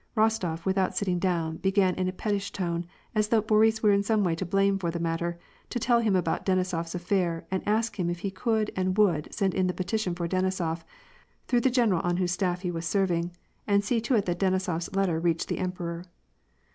Rostof, with out sitting down, began in a pettish tone — as though Boris were in some way to blame for the matter — to tell him about Denisof 's affair, and asked him if he could and would send in the petition for Denisof, through the general on whose staff he was serving, and see to it that Denisof's letter reached the emperor.